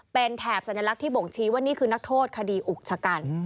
เป็นแถบสัญลักษณ์ที่บ่งชี้ว่านี่คือนักโทษคดีอุกชะกัน